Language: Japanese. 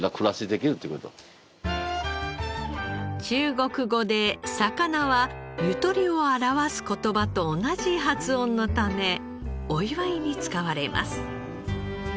中国語で「魚」はゆとりを表す言葉と同じ発音のためお祝いに使われます。